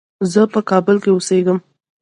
زه په کابل کې اوسېږم.